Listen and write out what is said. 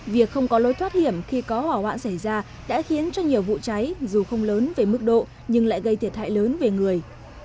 việc không có lối thoát hiểm khi có hỏa hoạn xảy ra đã khiến cho nhiều vụ cháy dù không lớn về mức độ nhưng lại gây thiệt hại lớn về người